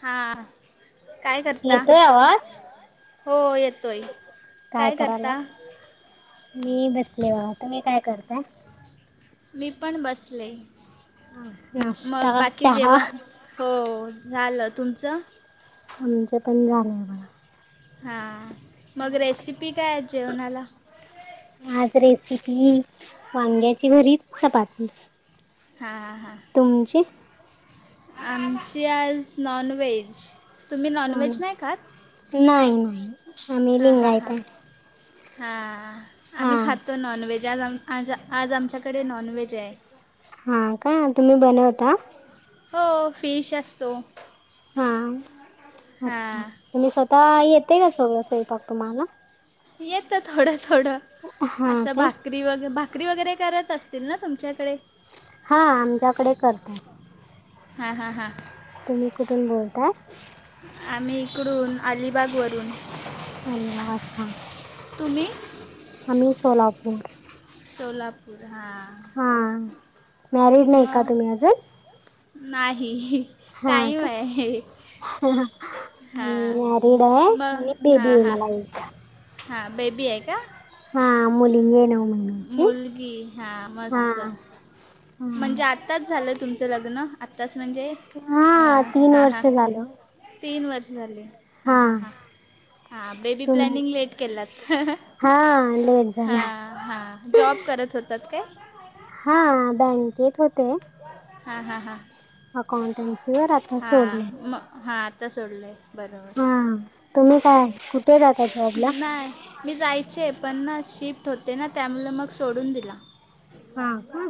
हा काय करता? येतोय आवाज हो येतोय, काय करता? मी बसले बघा, तुम्ही काय करताय? मी पण बसले मग नाश्ता बाकी चहा जेवण हो झालं. तुमचं? आमचं पण झालंय बघा. हां मग रेसिपी काय आहे जेवणाला? आज रेसिपी वांग्याची भरीच, चपाती. हा हा हा! तुमची? आमची आज नॉनव्हेज, तुम्ही नॉनव्हेज नाही खात? नाय नाही! आम्ही हा हा हा लिंगायत आहे हा हा आमही खाततो नॉन व्हेज ज्या आज आम आज आज आमच्याकडे नॉनव्हेज हाय. हां काय तुम्ही बनवता? हो फिश असतो. हा अच्छा हां तुमही स्वतः येते का सगळं स्वयंपाक तुम्हाला? येत थोडं थोडं हा असं का भा करी वगैे भाकरी वगैरे करत असतील ना तुमच्याकडे? हा आमच्याकडे करतात. हा हा हा! तुम्ही कुठून बोलताय आम्ही इकडून अलिबागवरून अलिबाग अच्छा! तुम्ही? आम्ही सोलापूर. सोलापूर हां हा मॅरिड नाही म का तुम्ही अजून? नाही. हा टाईम का? आहे मी हां मॅरिड हाय मग आणि हां बेबी हाय हां मला एका. हां बेबी आहे का हा अ मुमुली येन मुलगी हा मस्त हा. म्हणजे आ आत्ताच झालं तुमचं लग्न आत्ताच म्हणजे हा तीन हां वर्ष हां झालं. तीन वर्ष झाली हां हा हां हां हां बेबी प्लॅनिंग तुमच लेट केलात हा लेट झाला हा जॉब करत होतात का हा बँकेत होते हा हा हा अकाउंटन्सी वर आता सोडले म हात आ तरता सोडले हा तुम्ही काय कुठे जाता जॉबला नाही मी जायचे पण ना शिफ्ट होते ना त्यामुळे मग सोडून दिला हा का?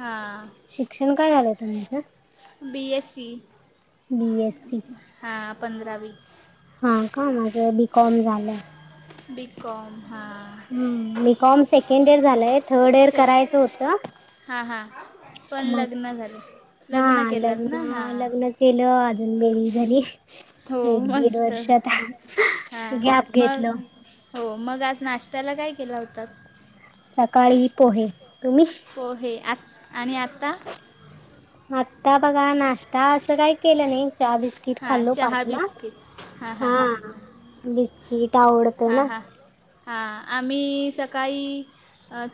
हा शिक्षण काय झालंय तुमचं B S C B S C. हां पंधरावी हा का माझं बीकॉम झालं बीकमहाा मी कॉम सेकंड इयर झालंय थर्ड इर से करायचं होतं हां हां पण मग लग्न झालं हा लग्न केलं लग्न ना हां लग्न केलं अजून बेरी झारी हो एक दीड मस्त वर्षात हां गॅप मग घेतलं हो मग आज नाशत्याला काय केला होता सकाळी पोहे तुम्ही हो हे आ आणि आता आता बघा नाश्ता असं काय केलं नाही चहा बिस्कट िट हां खाल्लो चहा पाचला बिस्किट हां हां हा हां बिस्किट आवड हां हां हां आम्ही सकाळी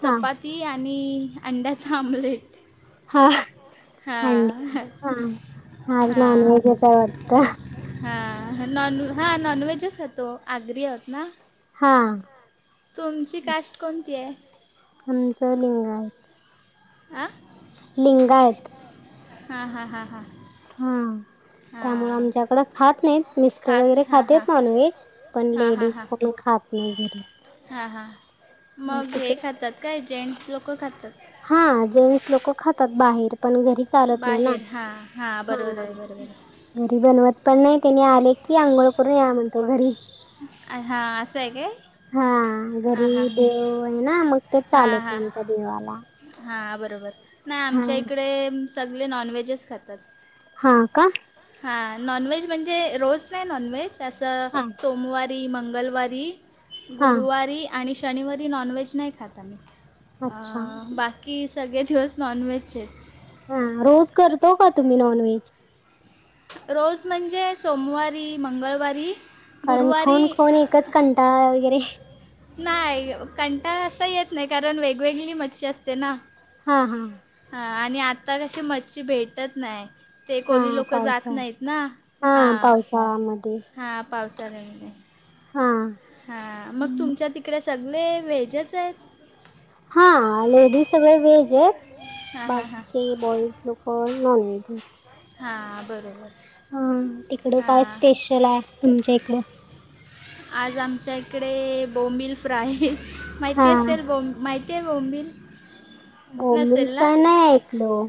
हा चपच ती आणि अंड्याचा आमलेट हा हा हां नाॉन वजे काय वात हा नॉन हा नॉन व्हेजच हो तो आग्री आहत ना हा तुमची कास्ट कोणती आहे हमच लिंगाय आ लिंगायत हा हा हा हा हा त्यामुळे आमच्याकडें खात नाहीत मिस्ट खात वगैरे हां हां खातेत नॉनव्हेज पण लेडीज पण खात नाही घरी हा हा मग हे खातात काय जेंट्स लोक खातात हा जेंट्स लोक खातात बाहेर पण घरी सारत नाही ना बाहेर हां हां हा बरोबर आहे बरोबर घरी बनवत पण नाही त्यांनी आले की आंघोळ करून या म्हणतो घरी हा असं आहे काय हा हां हां घरी देव आहे ना मग तेच हां चालूत आहे हां आमच्या देवाला हां बरोबर नाही हा आमच्या इकडे सगळे नॉनव्हेजच खातात हा का हा नॉनव्हेज म्हणजे रोज नाही नॉनव्हेज असं हा. सोमवार ते मंगवारी, हा गुरुवारी आणि शनिवारी नॉनव्हेज नाही खात आम्ही. अ अच्छा बाकी सगळे दिवस नॉन व्हेजचेच. हा रोज करतो का तुम्ही नॉन व्हेज. रोज म्हणजे सोमवारी, मंगळवारी कारण खाऊन गुरुवारी खाऊन एकच कंटाळा वगैरे नाही कंटाळा असा येत नाही. कारण वेगवेगळी मच्छी असते ना. हा हा हा आणि आता कशी मच्छी भेटत नाही. ते हा कोली लोकं जात पावसाळा नाहीत ना. हा हा पावसाळ्यामध्ये हा हा मग तुमच्या तिकडे सगळे व्हेजच आहेत. हा लेडीज सगळे व्हेज आहेत. हां हां हां बाकीचे बॉईज लोक नॉनवेज हा बरोबर. हा तिकड काय हां स्पेशल आहे. तुमच्या इकड. आज आमच्या इकडे बोंबिल फ्राय. माहिती हा असेल बोब माहिती ते बोंबील बोंबील नसेल ना फ्राय नाही ऐकल हो.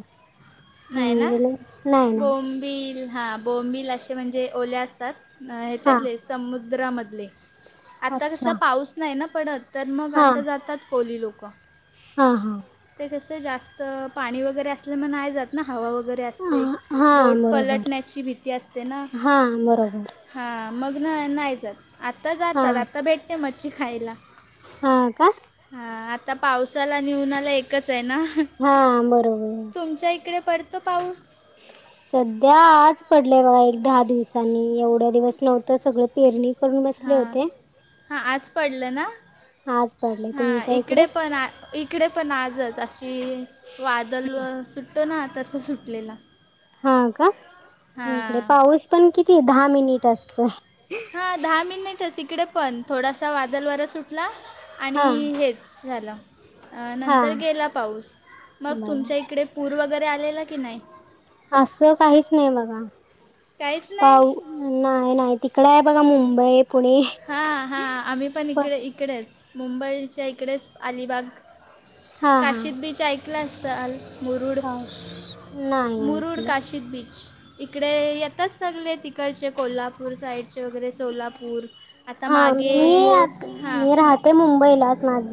म्हणजे नाही ना. बिल हा बोंबिल असे म्हणजे ओले असतात. हा ह्याच्यातले समुद्रामधले आता कस अच्छा पाऊस नाही ना पडत. तर मग हा आता जातात कोली लोक. हा हा ते कस जास्त पाणी वगैरे असले मग नाही जात ना. हवा वगैरे असते. हा बोट बरोबर पलटण्याची भीती असते ना. हा बरोबर हा मग ना नाही जात. आत्ता हा जातात आता भेटते मच्छी खायला. हा का हा आता पावसाला आणि उन्हाला एकच आहे ना. हा बरोबर आहे. तुमच्या इकडे पडतो पाऊस. सध्या आज पडलय बघा एक दहा दिवसांनी. एवढ्या दिवस नव्हत सगळ पेरणी करून हा बसले होते हा आज पडल ना. आज पडले हा तुमच्या इकडे पण आ इकडे पण आजच. अशी वादल व सुटतो ना तस सुटलेला. हा का, इकडे हां पाऊस पण किती दहा मिनिट असतोय. हा दहा मिनिटच इकडे पण. थोडासा वादल वारा सुटला आणि हा हेच झाल. हा नंतर गेला पाऊस मग बघा तुमच्या इकडे पूर वगैरे आलेला की नाही. अस काहीच नाही बघा. काहीच नाही पाऊ नाही नाही तिकडे आहे बघा. मुंबई पुणे हा हा आम्ही पण प इकडे इकडेच मुंबईच्या इकडेच अलिबाग हा हा काशीद बीच ऐकल असल. मुरुड काश नाही मुरुड ऐकलं काशिद बीच. इकडे येतात सगळे तिकडचे कोल्हापूर साईड हा मी मागे हां मी राहते मुंबईलाच. माझ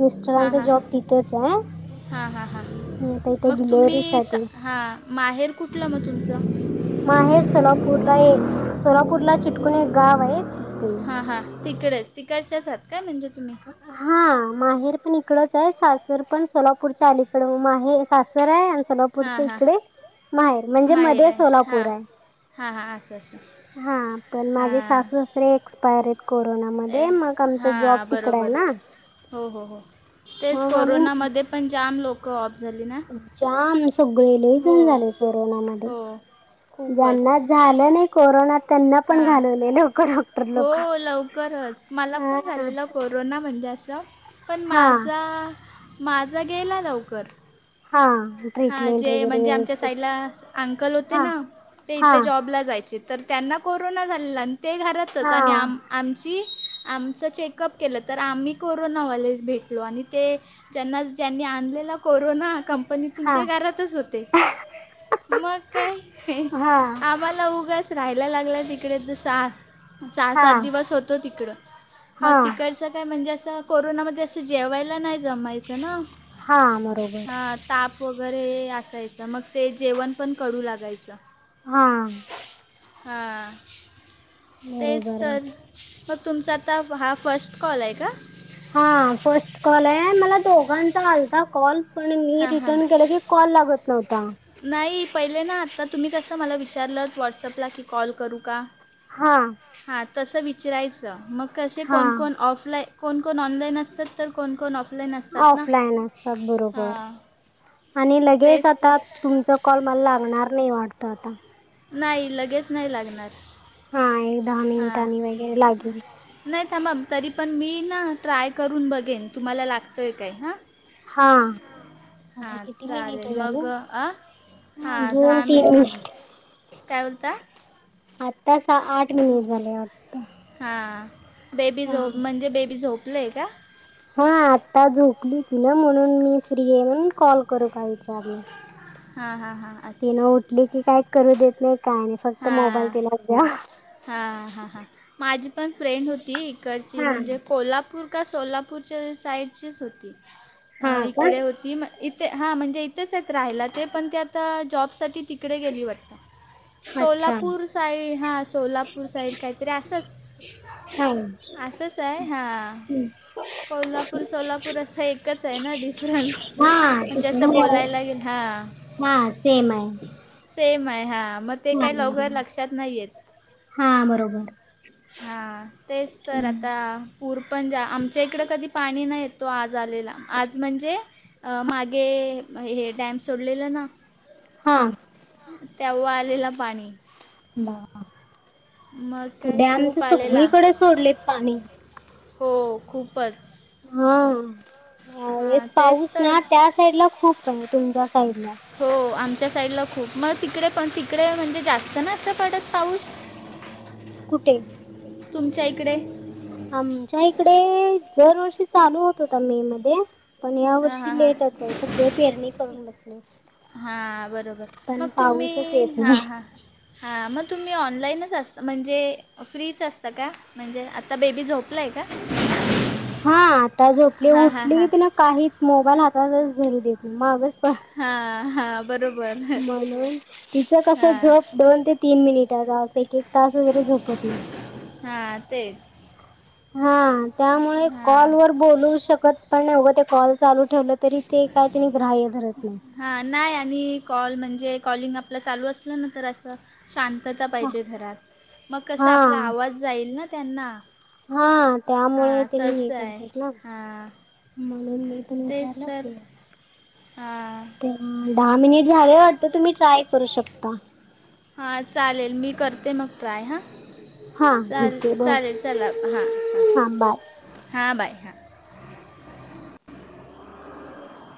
मिस्टरांचा जॉब तिथेच आहे. हा हा हा मी आता इथे मग तुम्ही सा डिलेवरीसाठी हा माहेर कुठल मग तुमच. माहेर सोलापूरला आहे. सोलापूरला चिटकून एक गाव आहे तीथे. हा तिकडे, तिकडच्याच आहात काय म्हणजे तुम्ही? हा माहेर पण इकडच आहे. सासर पण सोलापूरच्या अलीकड मग माहेर सासर आहे. आणि हां सोलापूरच्या हां इकडे माहेर. म्हणजे मध्ये सोलापूर आहे. हा हा अस अस हा पण माझे सासू सासरे एक्सपायर आहेत ए कोरोनामध्ये. मग आमचा जॉब हां तिकड आहे बरोबर ना. हो हो हो तेच मग आम्ही कोरोनामध्ये पण जाम लोक ऑफ झाली ना [unintelligible] जाम सगळे लजन हो झाले कोरोना मध्ये हो [unintelligible] ज्यांना खूपच झालं नाही कोरोना त्यांना पण हां घालवले लोक डॉक्टर हो लोक लवकरच मला पण हा झालेलं कोरोना म्हणजे असं पण हा माझा [unintelligible] माझा गेला लवकर हा हा ट्रीटमेंट जे वगैरे म्हणजे आमच्या व्यवस्थित साईडला अंकल होते हा ना ते हा इथे जॉबला जायचे [unintelligible] तर त्यांना कोरोना झालेला आणि ते घरातच हा आणि आम आमची [unintelligible] आमचं चेकअप केलं तर आम्ही कोरोनावाले भेटलो आणि ते [unintelligible] जना ज्यांनी आणलेला कोरोना कंपनीतून हा ते घरातच होते [unintelligible] मग काय हा आम्हाला उगाच राहायला लागला तिकडेच सा सहा सात हा दिवस होतो तिकड मग हा तिकड [unintelligible] काय म्हणजे असं कोरोनामध्ये असं जेवायला नाही जमायचं ना [unintelligible] हा बरोबर हा ताप वगैरे असायचं मग ते जेवण पण कडू लागायचं [unintelligible] हा हा तेच बरोबर आहे तर [unintelligible] मग तुमचा आता हा फर्स्ट कॉल आहे का हा फर्स्ट कॉल आहे आणि मला दोघांचा आलता कॉल [unintelligible] पण मी हां हां रिटर्न केलं की कॉल लागत नव्हता नाही पहिले ना आता तुम्ही कसं मला विचारलं व्हॉट्सअपला की कॉल करू का [unintelligible] हा हा तसं विचरायचं मग कसे हा कोण कोण ऑफलाई कोणकोण ऑनलाईन असतात तर कोणकोण ऑफलाईन असतात ना [unintelligible] त्याच बरोबर हां आणि लगेच तेच तर आता तुमचा कॉल मला लागणार नाही वाटत आता [unintelligible] नाही लगेच नाही लागणार हा एक दहा हां मिनिटांनी वगैरे लागेल नाही थांबा तरी पण मी ना ट्राय करून बघेन तुम्हाला लागतंय काय हां [unintelligible] हा आता हां किती मिनिट चालेल झाले मग आ हा हां दोन दहा तीन मिनिट [unintelligible] काय बोलता आत्तासा आठ मिनिट झाले वाटत हां बेबी हा. झोप म्हणजे बेबी झोपलं आहे का [unintelligible] हा आत्ता झोपली ती ना म्हणून मी फ्री आहे म्हणून कॉल करू का विचारल [unintelligible] हा हा हा तिनं उठली की काय करू देत नाही काय नाही आणि फक्त मोबाईल तिला द्या [unintelligible] हा हा हा माझी पण फ्रेंड होती इकडची हा म्हणजे [unintelligible] कोल्हापूर का सोलापूरच्या साईडचीच होती हा का इकडे होती मग [unintelligible] इथे हां म्हणजे इथेच आहेत राहायला ते पण ते आता जॉबसाठी तिकडे गेली वाटतेात [unintelligible] अच्छा सोलापूर साईड हां सोलापूर साईड काहीतरी असंच हा [unintelligible] असंच आहे हा कोल्हापूर सोलापूर असा एकच आहे ना डिफरन्स ते [unintelligible] म्हणजे असं हा बोलायलागेल हा हा सेम आहे सेम आहे हां मग ते काही लवकर लक्षात नाही येत [unintelligible] हम्म बरोबर हां तेच तर आता पूर पण जा आमच्या इकडं कधी पाणी नाही येत तो आज आलेला आज म्हणजे [unintelligible] मागे हे ॅम सोडलेलं ना [unintelligible] हां तेव्हा आलेला पाणी मग काय डॅमचे खूप आलेला सगळीकडे सोडलेत पाणी हो खूपच हा हां वेळेस तेच पाऊस तर ना त्या साईड ला खूप आहे तुमच्या साईड ला हो आमच्या साईडला खूप मग तिकडे पण तिकडे म्हणजे जास्त नाही पडत पाऊस? कुठे? तुमच्या इकडे? आमच्या इकडे दरवर्षी चालू होत होता मे मध्ये पण या हां हां वर्षी हां लेटच आहे सगळे पेरणी करून बसले हां बरोबर पण मग तुम्ही पाऊसच येत हां नाही हां हा मग तुम्ही ऑनलाईनच असता म्हणजे फ्रीच असतां का? म्हणजे आता बेबी झोपलाय का? हा आता झोपली हां हां हां उठली ना काहीच मोबाईल हातातच धरू देत नाही मागच हा हा मण [unintelligible] तिचं कसं हां झोप दोन ते तीन मिनिटा जास एक एक तास वगैरे झोपत नाही. हा तेच हा त्यामुळे हां कॉल वर बोलू शकत पण नाही उगं ते कॉल चालू ठेवलं तरी ते काय तनी ग्राह्य धरत नाही. हा नाही आणि कॉल म्हणजे कॉलिंग आपलं चालू असलं ना तर असं शांतता पाहिजे घरात मग कसं आपला हा आवाज जाईल ना त्यांना हा त्यामुळे हां तेनी हे तसं आहे करतात ना हां म्हणून मी पण तेच विचारलं तर पुढे हां दहा मिनिट झाले वाटतं तुम्ही ट्राय करू शकता? हा चालेल मी करते मग ट्राय हा हा ठीक चाले आहे बघ चालेल चला हां ह हा बाय. हां बाय हा